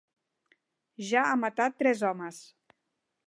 Ja ha matat tres homes.